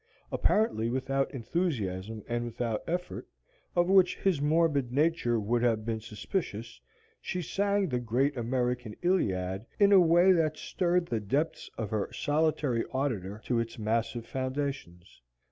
Apparently without enthusiasm and without effort, of which his morbid nature would have been suspicious, she sang the great American Iliad in a way that stirred the depths of her solitary auditor to its massive foundations.